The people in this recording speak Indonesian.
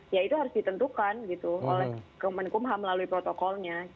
ya itu harus ditentukan gitu oleh kemenkumham melalui protokolnya